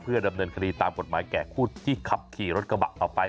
ดำเนินคดีตามกฎหมายแก่ผู้ที่ขับขี่รถกระบะต่อไป